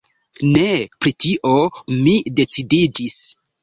Ne! Pri tio mi decidiĝis.